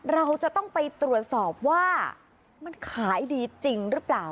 เราจะต้องไปตรวจสอบว่ามันขายดีจริงหรือเปล่า